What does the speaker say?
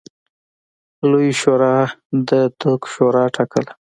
لویې شورا د دوک شورا ټاکله.